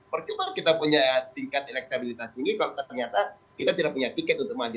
percuma kita punya tingkat elektabilitas tinggi kalau ternyata kita tidak punya tiket untuk maju